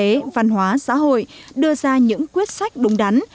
kinh tế văn hóa xã hội đưa ra những quyết sách đúng đắn